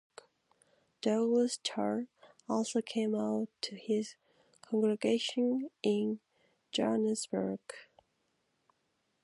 Douglas Torr also came out to his congregation in Johannesburg.